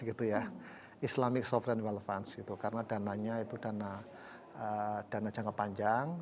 gitu ya islamic sovereign wealth funds gitu karena dananya itu dana dana jangka panjang